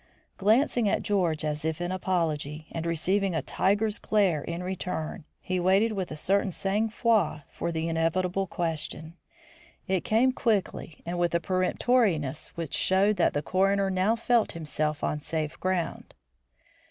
Glancing at George as if in apology, and receiving a tiger's glare in return, he waited with a certain sang froid for the inevitable question. It came quickly and with a peremptoriness which showed that the coroner now felt himself on safe ground.